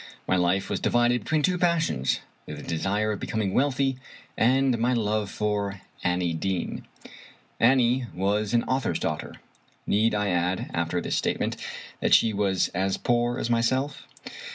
My life was divided between two passions — ^the desire of becoming wealthy, and my love for Annie Deane. Annie was an author's daughter. Need I add, after this statement, that she was as poor as myself?